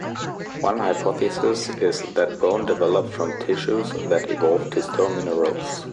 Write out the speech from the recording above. One hypothesis is that bone developed from tissues that evolved to store minerals.